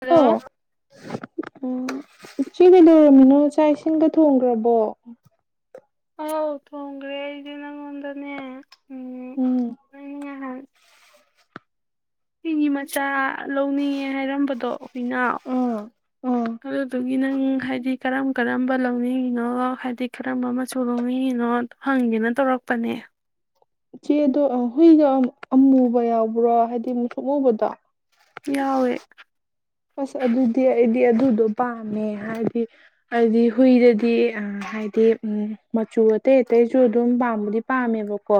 ꯍꯗꯣ ꯑꯣ ꯎꯝ ꯏꯆꯦ ꯀꯩ ꯂꯩꯣꯏꯔꯝꯃꯤꯅꯣ ꯆꯥꯛ ꯏꯁꯤꯡꯒ ꯊꯣꯡꯈ꯭ꯔꯕꯣ ꯍꯥꯎ ꯇꯣꯡ꯭ꯔꯦ ꯏ ꯅꯪ ꯑꯣꯗꯅꯦ ꯎꯝ ꯍ ꯃꯆꯥ ꯂꯧꯅꯤꯡꯉꯦ ꯍꯥꯏꯔꯝꯕꯗꯣ ꯑꯩꯈꯣꯏꯅ ꯑꯥ ꯑꯥ ꯑꯗꯨꯗꯨꯒꯤ ꯅꯪ ꯍꯥꯏꯗꯤ ꯀꯔꯝ ꯀꯔꯝꯕ ꯂꯧꯅꯤꯡꯉꯤꯅꯣ ꯍꯥꯏꯗꯤ ꯀꯔꯝꯕ ꯃꯆꯨ ꯂꯧꯅꯤꯡꯉꯤꯅꯣ ꯍꯪꯒꯦꯅ ꯇꯧꯔꯛꯄꯅꯦ ꯆꯦꯗꯣ ꯍꯨꯏꯒ ꯑꯃꯨꯕ ꯌꯥꯎꯕ꯭ꯔꯥ ꯍꯥꯏꯗꯤ ꯑꯃꯨꯛ ꯁꯣꯛꯎꯨꯕꯗ ꯌꯥꯎꯋꯦ ꯑꯁ ꯑꯗꯨꯗꯤ ꯑꯩꯗꯤ ꯑꯗꯨꯗꯣ ꯄꯥꯝꯃꯦ ꯍꯥꯏꯗꯤ ꯑꯩꯗꯤ ꯍꯨꯏꯗꯗꯤ ꯍꯥꯏꯗꯤ ꯃꯆꯨ ꯑꯇꯩ ꯑꯇꯩꯁꯨ ꯑꯗꯨꯝ ꯄꯥꯝꯕꯗꯤ ꯄꯥꯝꯃꯦꯕꯀꯣ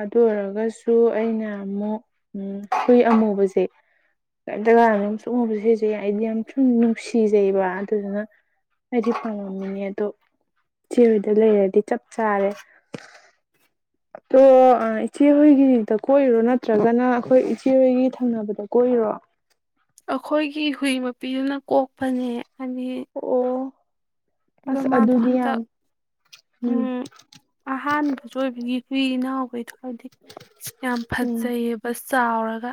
ꯑꯗꯨ ꯑꯣꯏꯔꯒꯁꯨ ꯑꯩꯅ ꯑꯃꯨꯛ ꯍꯨꯏ ꯑꯃꯨꯕꯁꯦ ꯀꯩꯝꯇ ꯀꯥꯟ ꯑꯗꯨꯝ ꯎ ꯁꯤꯁꯦ ꯑꯩꯗꯤ ꯌꯥꯝ ꯁꯨꯝ ꯅꯨꯡꯁꯤꯖꯩꯕ ꯑꯗꯨꯗꯨꯅ ꯑꯩꯗꯤ ꯐꯪꯉꯝꯃꯤꯅꯦ ꯑꯗꯣ ꯏꯦꯔꯣꯏꯗ ꯂꯩꯔꯗꯤ ꯆꯞ ꯆꯥꯔꯦ ꯑꯣ ꯏꯆꯦꯍꯣꯏꯒꯤꯗ ꯀꯣꯏꯔꯣ ꯅꯠꯇ꯭ꯔꯒꯅ ꯑꯩꯈꯣꯏ ꯏꯆꯦꯍꯣꯏꯒꯤ ꯊꯪꯅꯕꯗ ꯀꯣꯏꯏꯔꯣ ꯑꯩꯈꯣꯏꯒꯤ ꯍꯨꯏ ꯃꯄꯤꯅ ꯀꯣꯛꯄꯅꯦ ꯑꯅꯤ ꯑꯣ ꯑꯗꯣ ꯑꯁ ꯃꯥꯗꯣ ꯑꯗꯨꯗꯤ ꯌꯥꯝ ꯍꯟꯇꯛ ꯎ ꯎꯝ ꯑꯍꯥꯟꯕꯁꯨ ꯑꯣꯏꯕꯒꯤ ꯍꯨꯏ ꯏꯅꯥꯎ ꯍꯣꯏ ꯍꯥꯏꯕꯗꯤ ꯌꯥꯝ ꯎꯝ ꯐꯖꯩꯑꯕ ꯆꯥꯎꯔꯒꯥ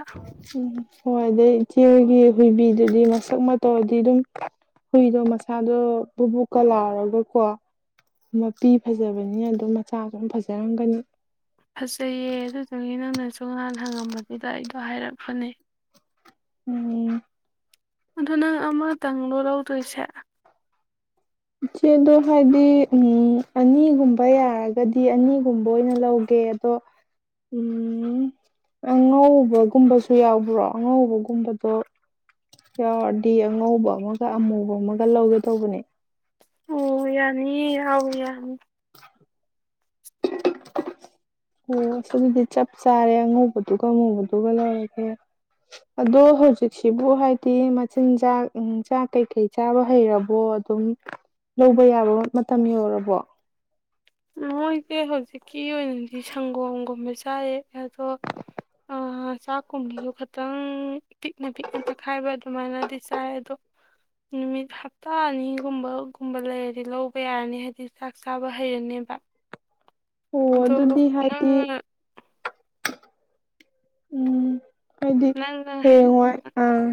ꯎꯝ ꯍꯣꯏ ꯑꯗꯩ ꯏꯆꯦꯒꯤ ꯍꯨꯏꯕꯤꯗꯨꯗꯤ ꯃꯁꯛ ꯃꯇꯧꯗꯤ ꯑꯗꯨꯝ ꯍꯨꯏꯗꯣ ꯃꯁꯥꯗꯣ ꯕꯨꯕꯨꯛꯀ ꯂꯥꯔꯒꯀꯣ꯫ ꯃꯄꯤ ꯐꯖꯕꯅꯤ ꯑꯗꯨꯣ ꯃꯆꯥꯁꯨ ꯑꯗꯨꯝ ꯐꯖꯔꯝꯒꯅꯤ ꯐꯖꯩꯌꯦ ꯑꯗꯨꯗꯨꯪꯅꯦ ꯅꯪꯅꯁꯨ ꯁꯨꯡ ꯅꯍꯥꯟ ꯍꯪꯉꯝꯕꯗꯨꯗ ꯑꯩꯗꯣ ꯍꯥꯏꯔꯛꯄꯅꯦ ꯎꯝ ꯑꯗ ꯅꯪ ꯑꯃꯇꯪꯗꯣ ꯂꯧꯗꯣꯏꯁꯦ ꯏꯆꯦꯗꯣ ꯍꯥꯏꯗꯤ ꯑꯅꯤꯒꯨꯝꯕ ꯌꯥꯔꯒꯗꯤ ꯑꯅꯤꯒꯨꯝꯕ ꯑꯣꯏꯅ ꯂꯧꯒꯦ ꯑꯗꯣ ꯑꯉꯧꯕꯒꯨꯝꯕꯁꯨ ꯌꯥꯎꯕ꯭ꯔꯣ ꯑꯉꯧꯕꯒꯨꯝꯕꯗꯣ ꯌꯥꯎꯔꯗꯤ ꯑꯉꯧꯕ ꯑꯃꯒ ꯑꯃꯨꯕ ꯑꯃꯒ ꯂꯧꯒꯦ ꯇꯧꯕꯅꯦ ꯑꯣ ꯌꯥꯅꯤ ꯌꯥꯥꯎ ꯌꯥꯅꯤ ꯑꯣ ꯑꯁꯤꯗꯤ ꯆꯞ ꯆꯥꯔꯦ ꯑꯉꯧꯕꯗꯨꯒ ꯑꯃꯨꯕꯗꯨꯒ ꯂꯩꯔꯒꯦ ꯑꯗꯣ ꯍꯧꯖꯤꯛꯁꯤꯕꯨ ꯍꯥꯏꯗꯤ ꯃꯆꯤꯟꯖꯥꯛ ꯆꯥꯛ ꯀꯩꯀꯩ ꯆꯥꯕ ꯍꯩꯔꯕꯣ ꯑꯗꯨꯝ ꯂꯧꯕ ꯌꯥꯕ ꯃꯇꯝ ꯌꯧꯔꯕꯣ ꯃꯣꯏꯁꯦ ꯍꯧꯖꯤꯛꯀꯤ ꯑꯣꯏꯅꯗꯤ ꯁꯪꯒꯣꯝꯒꯨꯝꯕ ꯆꯥꯏꯌꯦ ꯑꯗꯣ ꯆꯥꯛꯀꯨꯝꯕꯁꯨ ꯈꯇꯪ ꯄꯤꯛꯅ ꯄꯤꯛꯅ ꯇꯛꯈꯥꯏꯕ ꯑꯗꯨꯃꯥꯏꯅꯗꯤ ꯆꯥꯏ ꯑꯗꯣ ꯅꯨꯃꯤꯠ ꯍꯞꯇꯥ ꯑꯅꯤꯒꯨꯝꯕꯒꯨꯝꯕ ꯂꯩꯔꯗꯤ ꯂꯧꯕ ꯌꯥꯔꯅꯤ ꯍꯥꯏꯕꯗꯤ ꯆꯥꯛ ꯆꯥꯕ ꯍꯩꯔꯅꯦꯕ ꯑꯣ ꯑꯗꯣ ꯑꯗꯨꯗꯤ ꯍꯥꯏꯗꯤ ꯅꯪꯅ ꯎꯝ ꯍꯥꯏꯗꯤ ꯅꯪꯅ ꯍꯥꯏ ꯍꯌꯦꯡꯏ ꯑꯥ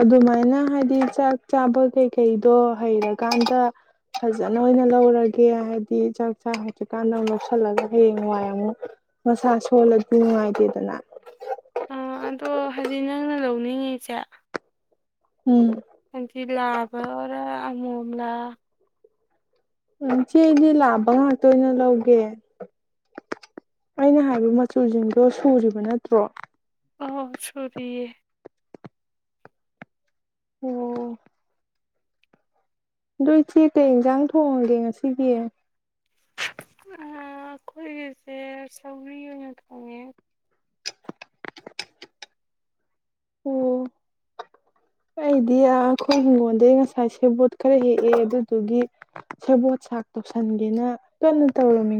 ꯑꯗꯨꯃꯥꯏꯅ ꯍꯥꯏꯗꯤ ꯆꯥꯛ ꯆꯥꯕ ꯀꯩꯀꯩꯗꯣ ꯍꯩꯔꯀꯥꯟꯗ ꯐꯖꯅ ꯑꯣꯏꯅ ꯂꯧꯔꯒꯦ ꯍꯥꯏꯕꯗꯤ ꯆꯥꯛ ꯆꯥ ꯍꯩꯇ꯭ꯔꯀꯥꯟꯗ ꯃꯣꯠꯁꯜꯂꯒ ꯍꯌꯦꯡ ꯋꯥꯏ ꯑꯃꯨꯛ ꯃꯁꯥ ꯁꯣꯜꯂ ꯅꯨꯡꯉꯥꯏꯇꯦꯗꯅ ꯑ ꯑꯗꯣ ꯍꯥꯏꯗꯤ ꯅꯪꯅ ꯂꯧꯅꯤꯡꯉꯤꯁꯦ ꯎꯝ ꯖꯤ ꯂꯥꯕ ꯑꯣꯔ ꯑꯃꯣꯝꯂꯥ ꯏꯆꯦ ꯑꯩꯗꯤ ꯂꯥꯕ ꯉꯥꯛꯇ ꯑꯣꯏꯅ ꯂꯧꯒꯦ ꯑꯩꯅ ꯍꯥꯏꯕ ꯃꯆꯨꯁꯤꯡꯗꯣ ꯁꯨꯔꯤꯕ ꯅꯠꯇ꯭ꯔꯣ ꯑꯥꯎ ꯁꯔꯤꯌꯦ ꯑꯣ ꯑꯗꯣ ꯏꯆꯦ ꯀꯩ ꯏꯟꯁꯥꯡ ꯊꯣꯡꯉꯒꯦ ꯉꯁꯤꯗꯤ ꯑꯩꯈꯣꯏꯒꯤꯁꯦ ꯁꯧꯔꯤ ꯑꯣꯏꯅ ꯈꯣꯡꯉꯦ꯫ ꯑꯣ ꯑꯩꯗꯤ ꯑꯩꯈꯣꯏ ꯍꯤꯡꯒꯣꯜꯗꯒꯤꯩ ꯉꯁꯥꯏ ꯁꯦꯕꯣꯠ ꯈꯔ ꯍꯦꯛꯑꯦ ꯑꯗꯨꯗꯨꯒꯤ ꯁꯦꯕꯣꯠ ꯆꯥꯛ ꯇꯧꯁꯟꯒꯦꯅ ꯀꯟꯅ ꯇꯧꯔꯝꯃꯤ꯫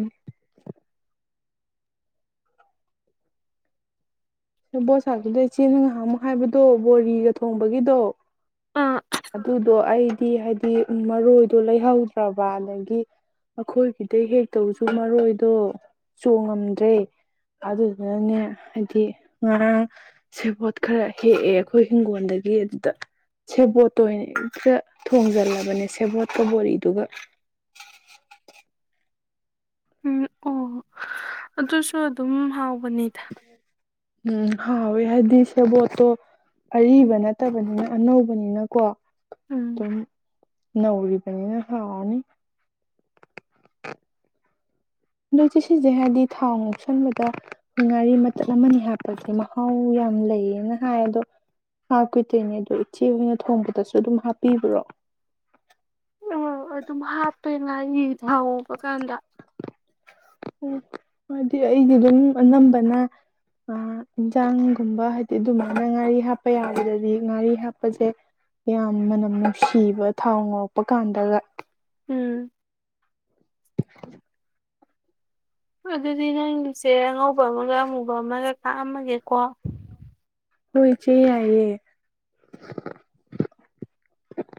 ꯕꯣꯠꯁꯥꯛꯇꯨꯗꯩ ꯆꯦ ꯉꯥꯏꯍꯥꯛ ꯑꯃꯨ ꯍꯥꯏꯕꯗꯣ ꯕꯣꯔꯤꯒ ꯊꯣꯡꯕꯒꯤꯗꯣ ꯑ ꯑꯗꯨꯗꯣ ꯑꯩꯗꯤ ꯍꯥꯏꯗꯤ ꯃꯔꯣꯏꯗꯣ ꯂꯩꯍꯧꯗ꯭ꯔꯕ ꯑꯗꯒꯤ ꯑꯩꯈꯣꯏꯒꯤꯗꯩ ꯍꯦꯛꯇꯕꯨꯁꯨ ꯃꯔꯣꯏꯗꯣ ꯆꯣꯡꯉꯝꯗ꯭ꯔꯦ ꯑꯗꯨꯗꯨꯅꯅꯦ ꯍꯥꯏꯗꯤ ꯉꯔꯥꯡ ꯁꯦꯕꯣꯠ ꯈꯔ ꯍꯦꯛꯑꯦ ꯑꯩꯈꯣꯏ ꯍꯤꯡꯒꯣꯜꯗꯒꯤ ꯑꯗꯨꯗ ꯁꯦꯕꯣꯠꯇ ꯑꯣꯏꯅ ꯈꯔ ꯊꯣꯡꯖꯜꯂꯕꯅꯦ ꯁꯦꯕꯣꯠꯀꯕꯣꯔꯤꯗꯨꯒ꯫ ꯎꯝ ꯑꯣ ꯑꯗꯨꯁꯨ ꯑꯗꯨꯝ ꯍꯥꯎꯕꯅꯦ ꯄꯨꯅꯤꯗ ꯎꯝ ꯍꯥꯎꯋꯦ ꯍꯥꯏꯗꯤ ꯁꯦꯕꯣꯠꯇꯣ ꯑꯔꯤꯕ ꯅꯠꯇꯕꯅꯤꯅ ꯑꯅꯧꯕꯅꯤꯅꯀꯣ ꯎꯝ ꯇꯨꯝ ꯅꯅꯥꯧꯔꯤ ꯄꯅꯦ ꯍꯥꯅꯤ ꯑꯗꯣ ꯏꯆꯤ ꯁꯤꯁꯦ ꯍꯥꯏꯕꯗꯤ ꯊꯥꯎ ꯉꯧꯁꯟꯕꯗꯣꯏ ꯉꯥꯔꯤ ꯃꯇꯜ ꯑꯃꯅꯤ ꯍꯥꯞꯄꯁꯦ ꯃꯍꯥꯎ ꯌꯥꯝ ꯂꯩꯌꯦꯅ ꯍꯥꯏ ꯑꯗꯣ ꯍꯥꯞꯀꯣꯏꯗꯣꯏꯅꯦ ꯑꯗꯣ ꯏꯆꯦ ꯍ ꯑꯣꯏꯅ ꯊꯣꯡꯕꯗꯁꯨ ꯑꯗꯨꯝ ꯍꯥꯞꯄꯤꯕ꯭ꯔꯣ ꯑꯣ ꯑꯗꯨꯝ ꯍꯥꯞꯄꯦ ꯂ ꯍꯧꯕ ꯀꯥꯟꯗ ꯎ ꯍꯥꯏꯗꯤ ꯑꯩꯗꯤ ꯑꯗꯨꯝ ꯑꯅꯝꯕꯅ ꯏꯟꯁꯥꯡꯒꯨꯝꯕ ꯍꯥꯏꯗꯤ ꯑꯗꯨꯃꯥꯏꯅ ꯉꯥꯔꯤ ꯍꯥꯞꯄ ꯌꯥꯕꯗꯗꯤ ꯉꯥꯔꯤ ꯍꯥꯞꯄꯁꯦ ꯌꯥꯝ ꯃꯅꯝ ꯅꯨꯡꯁꯤꯕ ꯊꯥꯎ ꯉꯧꯔꯛꯄ ꯀꯥꯟꯗꯒ ꯎꯝ ꯑꯗꯨꯗꯤ ꯅꯪꯒꯤꯛꯁꯦ ꯑꯉꯧꯕ ꯑꯃꯒ ꯑꯃꯨꯕ ꯑꯃꯒ ꯀꯥꯛꯑꯝꯃꯒꯦꯀꯣ꯫ ꯍꯣꯏ ꯆ ꯌꯥꯏꯌꯦ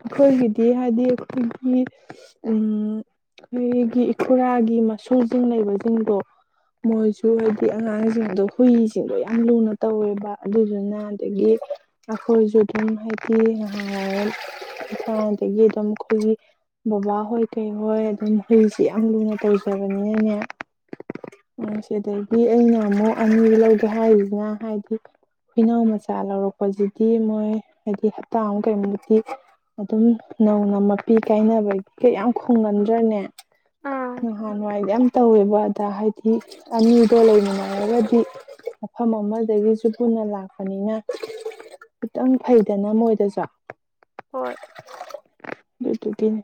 ꯑꯩꯈꯣꯏꯒꯤꯗꯤ ꯍꯥꯏꯗꯤ ꯑꯩꯈꯣꯏꯒꯤ ꯎ ꯑꯩꯈꯒꯤ ꯏꯈꯨꯔꯥꯒꯤ ꯃꯁꯨꯁꯤꯡ ꯂꯩꯕꯁꯤꯡꯗꯣ ꯃꯣꯏꯁꯨ ꯍꯥꯏꯗꯤ ꯑꯉꯥꯡꯁꯤꯡꯗꯣ ꯍꯨꯏꯁꯤꯡꯗꯣ ꯌꯥꯝ ꯂꯨꯅ ꯇꯧꯋꯦꯕ ꯑꯗꯨꯗꯨꯅ ꯑꯗꯒꯤ ꯑꯩꯈꯣꯏꯁꯨ ꯑꯗꯨꯝ ꯍꯥꯏꯗꯤ ꯗꯒꯤ ꯑꯗꯨꯝ ꯑꯩꯈꯣꯏꯒꯤ ꯕꯕꯥ ꯍꯣꯏ ꯀꯩ ꯍꯣꯏ ꯑꯗꯨꯝ ꯍꯨꯏꯁꯦ ꯌꯥꯝ ꯂꯨꯅ ꯇꯧꯖꯕꯅꯤꯅꯅꯦ ꯁꯤ ꯑꯗꯒꯤ ꯑꯩꯅ ꯑꯃꯨꯛ ꯑꯅꯤꯕ ꯂꯧꯒꯦ ꯍꯥꯏꯔꯤꯁꯤꯅ ꯍꯥꯏꯗꯤ ꯍꯨꯏꯅꯥꯎ ꯃꯆꯥ ꯂꯧꯔꯛꯄꯁꯤꯗꯤ ꯃꯣꯏ ꯍꯥꯏꯗꯤ ꯍꯞꯇꯥ ꯑꯃꯨꯛ ꯀꯩꯃꯨꯃꯛꯇꯗꯤ ꯑꯗꯨꯝ ꯅꯧꯅ ꯃꯄꯤ ꯀꯥꯏꯅꯕ ꯀ ꯌꯥꯝ ꯈꯣꯡꯒꯟꯗ꯭ꯔꯅꯦ ꯑꯥ ꯑꯍ ꯅꯨꯡꯉꯥꯏꯗꯤꯦ ꯌꯥꯝ ꯇꯧꯋꯦꯕ ꯑꯗ ꯍꯥꯏꯗꯤ ꯑꯅꯤꯗꯣ ꯂꯩꯃꯤꯟꯅꯔꯒꯗꯤ ꯃꯐꯝ ꯑꯃꯗꯒꯤꯁꯨ ꯄꯨꯟꯅ ꯂꯥꯛꯄꯅꯤꯅ ꯈꯤꯇꯪ ꯐꯩꯗꯅ ꯃꯣꯏꯗꯁꯨ ꯍꯣꯏ ꯍ ꯇꯀꯤꯅꯦ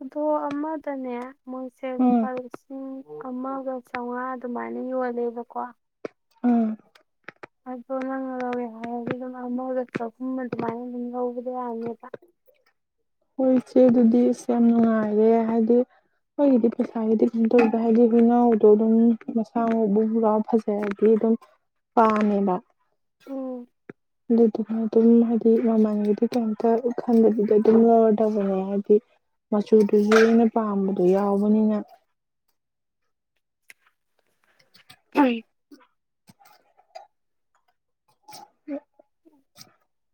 ꯑꯗꯣ ꯑꯃꯗꯅꯦ ꯃꯣꯏꯁꯦ ꯎꯝ ꯂꯨꯄꯥ ꯂꯤꯁꯤꯡ ꯑꯃꯒ ꯆꯥꯝꯃꯉꯥ ꯑꯗꯨꯃꯥꯏꯅ ꯌꯣꯜꯂꯦꯕꯀꯣ ꯎꯝ ꯪꯨꯝ ꯗ ꯌꯥꯅꯤ ꯁꯦ ꯑꯗꯨꯗꯤ ꯑꯁ ꯌꯥꯝ ꯅꯨꯡꯉꯥꯏꯔꯦ ꯍꯥꯏꯗꯤ ꯑꯩꯣꯏꯒꯤꯗꯤ ꯄꯩꯁꯥꯒꯤꯗꯤ ꯀꯩꯅ ꯇꯧꯗ ꯍꯥꯏꯗꯤ ꯍꯨꯏꯅꯥꯎꯗꯣ ꯑꯗꯨꯝ ꯃꯁꯥ ꯃꯎꯕ ꯄꯨꯔꯥ ꯐꯖꯔꯗꯤ ꯑꯗꯨꯝ ꯄꯥꯝꯃꯦꯕ ꯎꯝ ꯑꯗꯨꯗꯨꯅ ꯑꯗꯨꯝ ꯍꯥꯏꯗꯤ ꯃꯃꯜꯒꯤꯗꯤ ꯀꯩꯝꯇ ꯈꯟꯕꯗꯨꯗ ꯑꯗꯨꯝ ꯂꯧꯔꯗꯕꯅꯦ ꯍꯥꯏꯕꯗꯤ ꯃꯆꯨꯗꯨꯁꯨ ꯑꯩꯅ ꯄꯥꯝꯕꯗꯣ ꯌꯥꯎꯕꯅꯤꯅ ꯎ ꯍ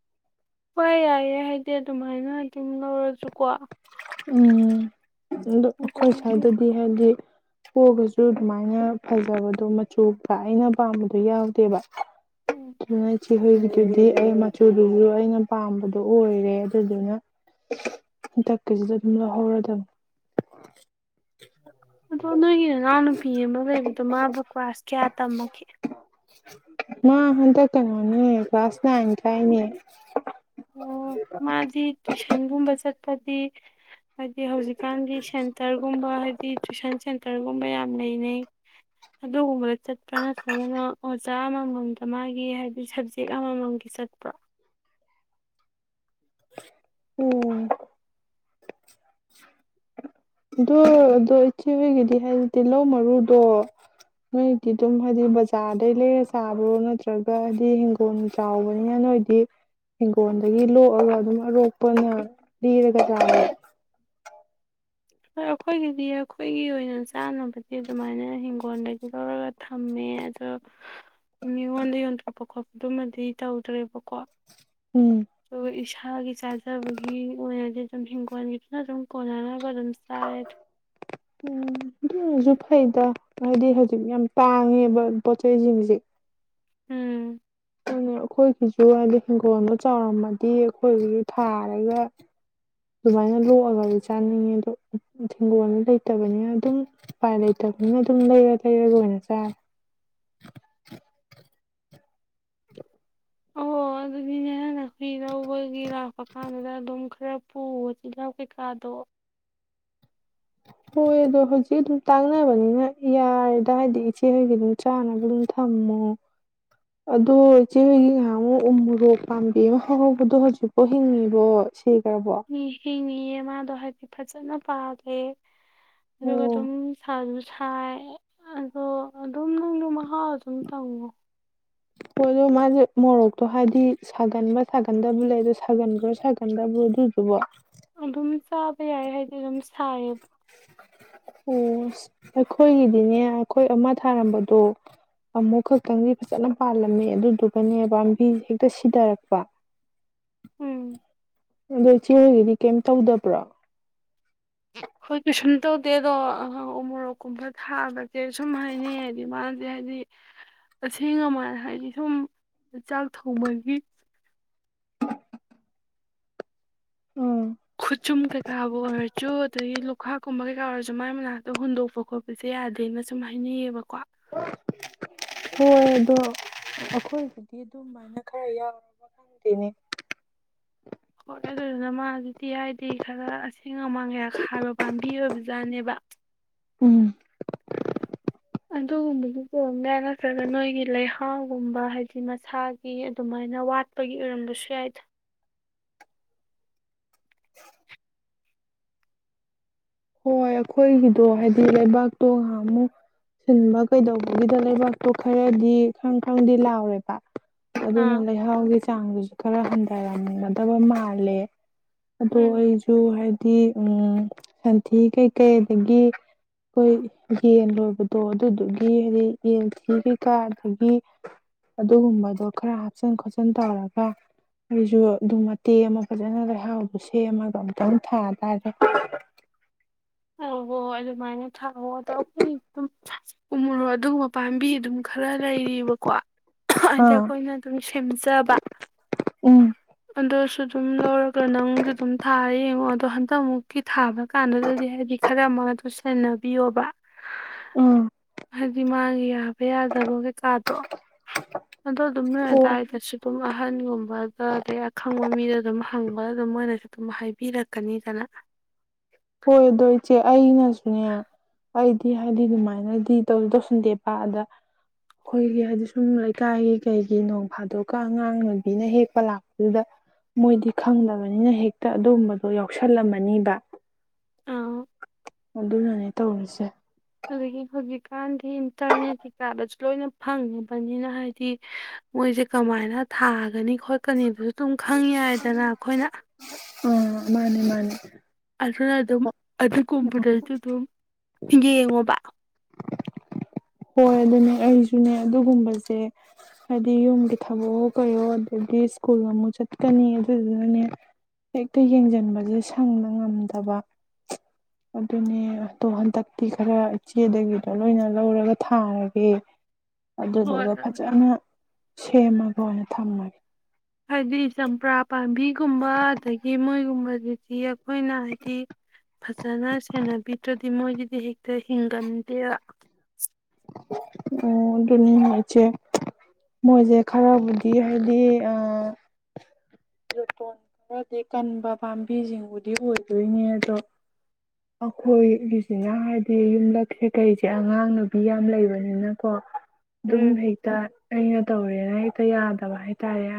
ꯍꯣꯏ ꯌꯥꯏꯌꯦꯦ ꯍꯥꯏꯗꯤ ꯑꯗꯨꯃꯥꯏꯅ ꯑꯗꯨꯝ ꯂꯧꯔꯁꯨꯀꯣ ꯎꯝ ꯑꯗꯣ ꯑꯩꯈꯣꯏ ꯑꯗꯒꯤ ꯁ꯭ꯋꯥꯏꯗꯗꯤ ꯍꯥꯏꯗꯤ ꯀꯣꯒꯁꯨ ꯑꯗꯨꯃꯥꯏꯅ ꯐꯖꯕꯗꯣ ꯃꯆꯨ ꯑꯩꯅ ꯄꯥꯝꯕꯗꯣ ꯌꯥꯎꯗꯦꯕ ꯑꯗꯨꯅ ꯆꯤꯍꯣꯏꯒꯤꯗꯨꯗꯤ ꯑꯩ ꯃꯆꯨꯗꯨꯕꯨ ꯑꯩꯅ ꯄꯥꯝꯕꯗ ꯑꯣꯏꯔꯦ ꯑꯗꯨꯗꯨꯅꯟ ꯀꯁꯤꯗ ꯍꯔ ꯇ ꯑꯗꯣ ꯅꯣꯏꯒꯤ ꯏꯅꯥꯎ ꯅꯨꯨꯄꯤ ꯑꯃ ꯂꯩꯕꯗꯣ ꯃꯥꯕꯨ ꯀ꯭ꯂꯥꯁ ꯀꯌꯥ ꯇꯝꯃꯒꯦ ꯃꯥ ꯍꯟꯗ ꯀꯩꯅꯣꯅꯤ ꯀ꯭ꯂꯥꯁ ꯂ ꯍꯥꯏꯅ ꯀꯥꯏꯅꯤ ꯑꯣ ꯃꯥꯗꯤ ꯇꯨꯏꯁꯟꯒꯨꯝꯕ ꯆꯠ ꯀꯗꯤ ꯍꯥꯏꯗꯤ ꯍꯧꯖꯤꯛꯀꯥꯟꯒꯤ ꯁꯦꯟꯇꯔꯒꯨꯝꯕ ꯍꯥꯏꯗꯤ ꯇꯨꯏꯁꯟ ꯁꯦꯟ ꯔꯒꯨꯝꯕ ꯌꯥꯝ ꯂꯩꯅꯩ ꯑꯗꯨꯒꯨꯝꯕ ꯆꯠꯄ ꯆ ꯑꯣꯖꯥ ꯑꯃꯃꯝꯗ ꯃꯥꯒꯤ ꯍꯥꯏꯕꯗꯤ ꯁꯕꯖꯦꯛ ꯑꯃꯃꯝꯒꯤ ꯆꯠꯄ꯭ꯔꯣ ꯎꯝ ꯑꯣ ꯑꯗꯣ ꯏꯆꯦ ꯍꯣꯏꯒꯤꯗꯤ ꯍꯥꯏꯗꯤ ꯇꯤꯜꯍꯧ ꯃꯔꯨꯗꯣ ꯅꯣꯏꯗꯤ ꯑꯗꯨꯝ ꯍꯥꯏꯗꯤ ꯕꯖꯥꯔꯗꯩ ꯂꯩꯔ ꯆꯥꯕ꯭ꯔꯣ ꯅꯠꯇ꯭ꯔꯒ ꯍꯥꯏꯗꯤ ꯍꯤꯡꯒꯣꯜ ꯆꯥꯎꯕꯅꯤꯅ ꯅꯣꯏꯗꯤ ꯍꯪꯒꯣꯜꯗꯒꯤ ꯂꯣꯛꯑꯒ ꯑꯗꯨꯝ ꯑꯔꯣꯛꯄꯅ ꯂꯤꯔꯒ ꯆꯥꯕ ꯍꯣꯏ ꯑꯩꯈꯣꯏꯒꯤꯗꯤ ꯑꯩꯈꯣꯏꯒꯤ ꯑꯣꯏꯅ ꯆꯥꯅꯕꯗꯤ ꯑꯗꯨꯃꯥꯏꯅ ꯍꯤꯡꯒꯣꯜꯗꯒꯤ ꯂꯧꯔꯒ ꯊꯝꯃꯦ ꯑꯗꯣ ꯃꯤꯉꯣꯟꯗ ꯌꯣꯟꯊꯣꯛꯄ ꯈꯣꯠꯄꯗꯨꯃꯗꯤ ꯇꯧꯗ꯭ꯔꯦꯕꯀꯣ ꯍ ꯎꯝ ꯁꯥꯥꯒꯤ ꯆꯥꯖꯕꯒꯤ ꯑꯣꯏꯅꯗꯤ ꯑꯗꯨꯝ ꯍꯤꯡꯈꯣꯜꯒꯤꯁꯤꯅ ꯑꯗꯨꯝ ꯀꯣꯟꯅꯅꯕ ꯑꯗꯨꯝ ꯆꯥꯔꯦꯗ ꯑꯣꯖ ꯍꯩꯗ ꯍꯥꯏꯗꯤ ꯍꯧꯖꯤꯛ ꯌꯥꯝ ꯇꯥꯡꯉꯦꯕ ꯄꯣꯠ ꯆꯩꯁꯤꯡꯁꯦ ꯎꯝ ꯑꯗꯨꯅ ꯑꯩꯈꯣꯏꯒꯤꯁꯨ ꯍꯥꯏꯗꯤ ꯍꯤꯡꯒꯣꯜꯗ ꯆꯥꯎꯔꯝꯃꯗꯤ ꯑꯩꯈꯣꯏꯒꯤꯁꯨ ꯊꯥꯔꯒ ꯑꯗꯨꯃꯥꯏꯅ ꯂꯣꯛꯑꯒꯗꯤ ꯆꯥꯅꯤꯡꯉꯦ ꯑꯗꯣ ꯍꯤꯡꯒꯣꯜ ꯂꯩꯇꯕꯅꯤꯅ ꯑꯗꯨꯝ ꯎꯄꯥꯏ ꯂꯩꯇꯕꯅꯤꯅ ꯑꯗꯨꯝ ꯂꯩꯔ ꯇꯩꯔꯒ ꯂꯣꯏ ꯑꯣꯏꯅ ꯆꯥꯔꯦ ꯑꯣ ꯑꯗꯨꯗꯤꯅꯦ ꯍꯥꯟꯅ ꯍꯨꯏ ꯂꯧꯕꯒꯤ ꯂꯥꯛꯄ ꯀꯥꯟꯗꯨꯗ ꯑꯗꯨꯝ ꯈꯔ ꯄꯨꯕ ꯇꯤꯜꯍꯥꯎ ꯀꯩꯀꯥꯗꯣ ꯍꯣꯏ ꯑꯗꯣ ꯍꯧꯖꯤꯛ ꯑꯗꯨꯝ ꯇꯥꯛꯅꯕꯅꯤꯅ ꯌꯥꯔꯦꯗ ꯍꯥꯏꯗꯤ ꯏꯆꯦꯍꯣꯏꯒꯤ ꯑꯗꯨꯝ ꯆꯥꯅꯕ ꯑꯗꯨꯝ ꯊꯝꯃꯣ ꯑꯗꯣ ꯏꯆꯦꯍꯣꯏꯒꯤ ꯉꯥꯏꯍꯥꯛ ꯑꯃꯨꯛ ꯎ ꯃꯣꯔꯣꯛ ꯄꯥꯝꯕꯤ ꯑꯃ ꯍꯧꯕꯗꯣ ꯍꯧꯖꯤꯛꯐꯥꯎ ꯍꯤꯡꯉꯤꯕꯣ ꯁꯤꯈ꯭ꯔꯕꯣ ꯃꯤ ꯍꯤꯡꯉꯤꯌ‌ꯦ ꯃꯥꯗ‌ꯣ ꯍꯥꯏꯗꯤ ꯐꯖꯟꯅ ꯄꯥꯜꯂꯦ ꯑꯗꯨꯒ ꯑꯣ ꯑꯗꯨꯝ ꯁꯥ ꯁꯥꯏ ꯑꯗꯣ ꯑꯗꯨꯝ ꯅꯪꯗꯣ ꯃꯍꯥꯎ ꯑꯗꯨꯝ ꯇꯪꯉꯣ ꯍ‌ꯣ ꯑꯗꯨꯝ ꯃꯣꯔꯣꯛꯇꯣ ꯍꯥꯏꯗꯤ ꯁꯥꯒꯟꯕ ꯁꯥꯒꯟꯗꯕ꯭ꯔ ꯂꯩ ꯑꯗꯣ ꯁꯥꯒꯟꯕ꯭ꯔꯥ ꯁꯥꯒꯟꯗꯕ꯭ꯔꯣ ꯑꯗꯨꯗꯨꯕꯣ ꯑꯗꯨꯝ ꯆꯥꯕ ꯌꯥꯏ ꯍꯥꯏꯗꯤ ꯑꯗꯨꯝ ꯁꯥꯏꯌꯦ ꯑꯣ ꯑꯩꯈꯣꯏꯒꯤꯗꯤꯅꯦ ꯑꯩꯈꯣꯏ ꯑꯃ ꯊꯥꯔꯝꯕꯗꯣ ꯑꯃꯨꯛ ꯈꯛꯇꯪꯗꯤ ꯐꯖꯅ ꯄꯥꯜꯂꯝꯃꯦ ꯑꯗꯨꯗꯨꯒꯅꯦ ꯄꯥꯝꯕꯤꯦ ꯍꯦꯛꯇ ꯁꯤꯊꯔꯛꯄ ꯎꯝ ꯑꯗꯣ ꯏꯆꯦꯒꯤꯗꯤ ꯀꯩꯝ ꯇꯧꯗꯕ꯭ꯔꯥ ꯍꯣꯏ ꯀꯩꯁꯨꯝ ꯇꯧꯗꯦ ꯑꯗꯣ ꯎꯝ ꯎꯃꯣꯔꯣꯛꯀꯨꯝꯕ ꯊꯥꯕꯁꯦ ꯁꯨꯝ ꯍꯥꯏꯅꯩ ꯍꯥꯏꯗꯤ ꯃꯥꯁꯦ ꯍꯥꯏꯗꯤ ꯑꯁꯦꯡ ꯑꯃ ꯍꯥꯏꯗꯤ ꯁꯨꯝ ꯆꯥꯛ ꯊꯣꯡꯕꯒꯤ ꯎꯝ ꯈꯨꯠꯆꯨꯝ ꯀꯩꯀꯥꯕꯨ ꯑꯣꯏꯔꯁꯨ ꯑꯗꯒꯤ ꯂꯨꯈꯥꯛꯀꯨꯝꯕ ꯀꯩꯀꯥ ꯑꯣꯏꯔ ꯑ ꯃꯥꯏ ꯃꯅꯥꯛꯇ ꯍꯨꯟꯗꯣꯛꯄ ꯈꯣꯠꯄꯁꯦ ꯌꯥꯗꯦꯅ ꯁꯨꯝ ꯍꯥꯏꯅꯩꯌꯦꯕꯀꯣ ꯍꯣꯏ ꯑꯗꯣ ꯑꯩꯈꯣꯏꯒꯤꯗꯤ ꯑꯗꯨꯝꯃꯥꯏꯅ ꯈꯔ ꯌꯥꯎꯔꯕ ꯈꯪꯗꯦꯅꯦ ꯍꯣꯏ ꯑꯗꯨꯗꯨꯅ ꯃꯥꯁꯤꯗꯤ ꯍꯥꯏꯗꯤ ꯈꯔ ꯑꯁꯦꯡ ꯑꯃꯥꯟ ꯀꯌꯥ ꯈꯥꯏꯕ ꯄꯥꯝꯕꯤ ꯑꯣꯏꯕꯖꯥꯠꯅꯦꯕ ꯎꯝ ꯑꯗꯨꯒꯨꯝꯕꯒꯤ ꯁꯨ ꯑꯣꯏꯔꯝꯕ ꯌꯥꯏ ꯅꯠꯇ꯭ꯔꯒ ꯅꯣꯏꯒꯤ ꯂꯩꯍꯥꯎꯒꯨꯝꯕ ꯍꯥꯏꯗꯤ ꯃꯁꯥꯒꯤ ꯑꯗꯨꯃꯥꯏꯅ ꯋꯥꯠꯄꯒꯤ ꯑꯣꯏꯔꯝꯕꯁꯨ ꯌꯥꯏꯗ [inaudible] ꯍꯣꯏ ꯑꯩꯈꯣꯏꯒꯤꯗꯣ ꯍꯥꯏꯗꯤ ꯂꯩꯕꯥꯛꯇꯣ ꯉꯥꯏꯍꯥꯛ ꯑꯃꯨꯛ ꯁꯤꯟꯕ ꯀꯩꯗꯧꯕꯒꯤꯗ ꯂꯩꯕꯥꯛꯇꯣ ꯈꯔꯗꯤ ꯈꯪ ꯈꯪꯗꯤ ꯂꯥꯎꯔꯦꯕ ꯑꯗꯨ ꯅ ꯑꯥ ꯂꯩ ꯍꯥꯎꯒꯤ ꯆꯥꯡꯗꯨꯁꯨ ꯈꯔ ꯍꯟꯊꯔꯝꯃꯥꯒꯗꯕ ꯃꯥꯜꯂꯦ ꯑꯗꯣ ꯎꯝ ꯑꯩꯁꯨ ꯍꯥꯏꯗꯤ ꯗꯤ ꯎꯡ ꯊꯤ ꯀꯩꯀꯩ ꯑꯗꯒꯤ ꯑꯩꯈꯣꯏ ꯌꯦꯟ ꯂꯣꯏꯕꯗꯣ ꯑꯗꯨꯗꯨꯒꯤ ꯍꯥꯏꯗꯤ ꯌꯦꯟꯊꯤ ꯀꯩꯀꯥ ‌ꯗꯨꯒꯤ ꯑꯗꯨꯒꯨꯝꯕꯗꯣ ꯈꯔ ꯍꯥꯞꯆꯤꯟ ꯈꯣꯠꯆꯤꯟ ꯇꯧꯔꯒ ꯑꯩꯁꯨ ꯑꯗꯨꯝ ꯃꯇꯦꯛ ꯑꯃ ꯐꯖꯅ ꯂꯩꯍꯥꯎꯗꯨ ꯁꯦꯝꯃꯒ ꯑꯝꯇꯪ ꯊꯥ ꯇꯔꯦ ꯍ ꯍ‌ꯣ ꯍ‌ꯣ ꯑꯗꯨꯃꯥꯏꯅ ꯊꯥꯛꯑꯣ ꯇꯧꯕꯨꯗꯤ ꯑꯗꯨꯝ ꯎꯃ‌ꯣꯔꯣꯛ ꯑꯗꯨꯒꯨꯝꯕ ꯄꯥꯝꯕꯤ ꯑꯗꯨꯝ ꯈꯔ ꯂꯩꯔꯤꯕꯀꯣ ꯍꯥꯏꯗꯤ ꯑꯥ ꯑꯩꯈꯣꯏꯅ ꯑꯗꯨꯝ ꯁꯦꯝꯖꯕ ꯎꯝ ꯗꯨꯁꯨ ꯁꯨꯝ ꯂꯧꯔꯒ ꯅꯪꯁꯨ ꯑꯗꯨꯝ ꯊꯥ ꯌꯦꯡꯉꯣ ꯇꯣ ꯍꯟꯇꯃꯨꯛꯀꯤ ꯊꯥꯕ ꯀꯥꯟꯅꯗꯗꯦ ꯈ‍꯭ꯔꯥ ꯑꯥꯃ ꯁꯦꯟꯅꯕꯤꯌꯣꯕ ꯎꯝ ꯍꯥꯏꯗꯤ ꯃꯥꯥꯒꯤ ꯌꯥꯗꯕꯒꯦ ꯀꯥꯗꯣ ꯑꯗꯣ ꯑꯗꯨꯝ ꯅ‌ꯣꯏ ꯍꯣꯏ ꯑꯗꯥꯏꯗꯁꯨ ꯗꯨꯝ ꯑꯍꯟꯒꯨꯝꯕꯗ ꯑꯗꯩ ꯑꯈꯪꯕ ꯃꯤꯗ ꯑꯗꯨꯝ ꯍꯪꯕ ꯑꯗꯨꯝ ꯃꯣꯏꯅꯁꯨ ꯑꯗꯨꯝ ꯍꯥꯏꯕꯤꯔꯛꯀꯅꯤꯗꯅ ꯍꯣꯏ ꯑꯗꯣ ꯏꯆꯦ ꯑꯩꯅ ꯁꯨꯅ‌ꯦ ꯑꯩꯗꯤ ꯍꯥꯏꯗꯤ ꯑꯗꯨꯃꯥꯏꯅꯗꯤ ꯇꯧ ꯇꯧꯁꯤꯟꯗꯦꯕ ꯑꯗ ꯑꯩꯈꯣꯏꯒꯤ ꯍꯥꯏꯗꯤ ꯁꯨꯝ ꯂꯩꯀꯥꯏꯒꯤ ꯀꯩꯒꯤ ꯅꯣꯡ ꯐꯥꯗꯣꯛꯀ ꯑꯉꯥꯡꯅꯕꯤꯅ ꯍꯦꯛꯄ ꯂꯥꯛꯄꯗꯨꯗ ꯃꯣꯏꯗꯤ ꯈꯪꯗꯕꯅꯤꯅ ꯍꯦꯛꯇ ꯑꯗꯨꯒꯨꯝꯝꯕꯗꯣ ꯌꯥꯎꯁꯜꯂꯝꯃꯅꯤꯕ ꯑꯥ ꯑꯗꯨꯅꯅꯦ ꯇꯧꯔꯤꯁꯦ ꯑꯗꯨ ꯍ ꯀ ꯏꯟꯇꯔꯅꯦꯠ ꯍꯤ ꯀꯥꯔ ꯂꯣꯏꯅ ꯐꯪꯉꯕꯅꯤꯅ ꯍꯥꯏꯗꯤ ꯃꯣꯏꯁꯦ ꯀꯃꯥꯏꯅ ꯊꯥꯒꯅꯤ ꯈꯣꯠꯀꯅꯤꯕꯁꯨ ꯑꯗꯨꯝ ꯈꯪ ꯌꯥꯏꯗꯅ ꯑꯩꯈꯣꯏꯅ ꯑ ꯃꯥꯅꯦ ꯃꯥꯅꯦ ꯑꯗꯨꯅ ꯑꯗꯨꯝ ꯑꯗꯨꯒꯨꯝꯕꯗꯩꯁꯨ ꯑꯗꯨꯝ ꯌꯦꯡꯉꯣꯕ ꯍꯣꯏ ꯑꯗꯨꯅꯦ ꯑꯩꯁꯨꯅꯦ ꯑꯗꯨꯒꯨꯝꯕꯁꯦ ꯍꯥꯏꯗꯤ ꯌꯨꯝꯒꯤ ꯊꯕꯛꯑꯣ ꯀꯩꯣ ꯑꯗꯒꯤ ꯁ꯭ꯀꯨꯜ ꯑꯃꯨꯛ ꯆꯠꯀꯅꯤ ꯑꯗꯨꯗꯨꯅꯅꯦ ꯍꯦꯛꯇ ꯌꯦꯡꯁꯤꯟꯕꯁꯦ ꯁꯪꯕ ꯉꯝꯗꯕ ꯑꯗꯨꯅꯦ ꯑꯗꯣ ꯍꯟꯗꯛꯇꯤ ꯈꯔ ꯏꯆꯦꯗꯒꯤꯗ ꯂꯣꯏꯅ ꯂꯧꯔꯒ ꯊꯥꯔꯒꯦ ꯍꯣꯏ ꯑꯗꯨꯗꯨꯒ ꯐꯖꯅ ꯁꯦꯝꯃꯒ ꯑꯣꯏꯅ ꯊꯝꯃꯒꯦ ꯍꯥꯏꯗꯤ ꯆꯝꯄ꯭ꯔꯥ ꯄꯥꯝꯕꯤꯒꯨꯝꯕ ꯑꯗꯒꯤ ꯃꯣꯏꯒꯨꯝꯕꯁꯤꯗꯤ ꯑꯩꯈꯣꯏꯅ ꯍꯥꯏꯗꯤ ꯐꯖꯅ ꯁꯦꯟꯅꯕꯤꯗ꯭ꯔꯗꯤ ꯃꯣꯏꯒꯤꯗꯤ ꯍꯦꯛꯇ ꯍꯤꯡꯒꯟꯗꯦꯕ ꯑꯗꯨꯅꯤ ꯏꯆꯦ ꯃꯣꯏꯁꯦ ꯈꯔꯕꯨꯗꯤ ꯍꯥꯏꯗꯤ ꯂꯇꯣꯟ ꯈꯔꯗꯤ ꯀꯟꯕ ꯄꯥꯝꯕꯤꯁꯤꯡꯕꯨꯗꯤ ꯑꯣꯏꯗꯣꯏꯅꯦ ꯑꯗꯣ ꯑꯩꯈꯣꯏꯒꯤꯁꯤꯅ ꯍꯥꯏꯕꯗꯤ ꯌꯨꯝꯂꯛꯁꯦ ꯀꯩꯁꯦ ꯑꯉꯥꯡ ꯅꯨꯕꯤ ꯌꯥꯝ ꯂꯩꯕꯅꯤꯅꯀꯣ ꯑꯗꯨꯝ ꯎꯝ ꯍꯇ ꯑꯩꯅ ꯇꯧꯔꯦꯅ ꯍꯦꯛꯇ ꯌꯥꯗꯕ ꯍꯥꯏꯇꯥꯔꯦ